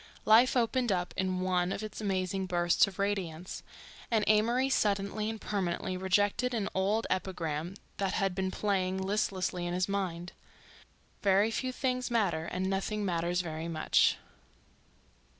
Life opened up in one of its amazing bursts of radiance and Amory suddenly and permanently rejected an old epigram that had been playing listlessly in his mind: "Very few things matter and nothing matters very much."